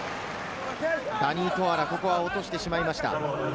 ダニー・トアラが落としてしまいました。